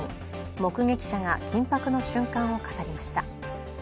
目撃者が緊迫の瞬間を語りました。